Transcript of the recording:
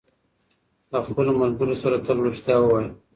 له خپلو ملګرو سره تل رښتیا ووایئ.